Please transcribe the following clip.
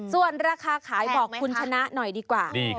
ส่วนราคาขายบอกคุณชนะหน่อยดีกว่า